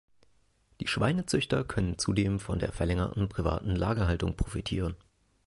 Die Schweinezüchter können zudem von der verlängerten privaten Lagerhaltung profitieren.